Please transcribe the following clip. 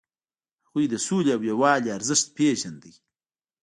هغوی د سولې او یووالي ارزښت پیژندل.